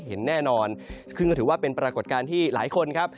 เห็นแน่นอนซึ่งก็ถือว่าเป็นปรากฏการณ์ที่หลายคนครับ